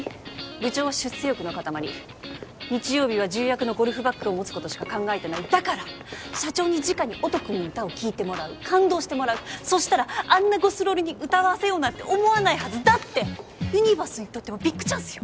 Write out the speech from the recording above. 部長は出世欲の塊日曜日は重役のゴルフバッグを持つことしか考えてないだから社長にじかに音くんの歌を聴いてもらう感動してもらうそしたらあんなゴスロリに歌わせようなんて思わないはずだってユニバースにとってもビッグチャンスよ